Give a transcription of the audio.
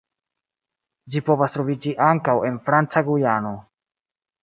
Ĝi povas troviĝi ankaŭ en Franca Gujano.